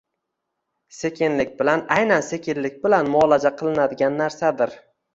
sekinlik bilan, aynan sekinlik bilan muolaja qilinadigan narsadir.